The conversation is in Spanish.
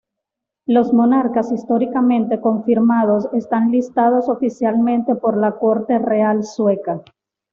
Los monarcas históricamente confirmados están listados oficialmente por la Corte Real Sueca.